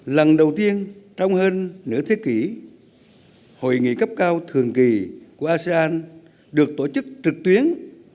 lần đầu tiên trong hơn nửa thế kỷ hội nghị cấp cao thường kỳ của asean được tổ chức trực tuyến